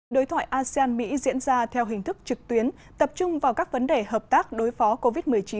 đối thoại asean mỹ diễn ra theo hình thức trực tuyến tập trung vào các vấn đề hợp tác đối phó covid một mươi chín